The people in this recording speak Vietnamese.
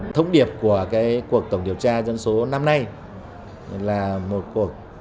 thông điệp của cuộc tổng điều tra dân số năm nay là một cuộc